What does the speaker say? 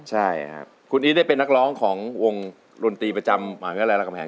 ใช่ครับคุณอีทได้เป็นนักร้องของวงดนตรีประจำหมายความว่าอะไรลังอมแหง